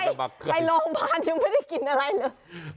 เมื่อกี้ไปโรงพยาบาลไม่ได้กินอะไรเลย